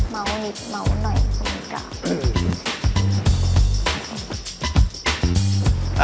เม้านิดเม้าหน่อยนิดก็